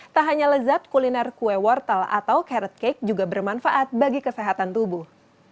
tak hanya lezat kuliner kue wortel atau carrot cake juga bermanfaat bagi kesehatan tubuh